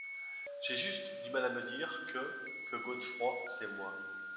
J’ai juste du mal à me dire que. .. que Godefroy c’est moi.